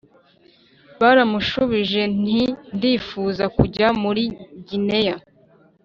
naramushubije nti ndifuza kujya muri gineya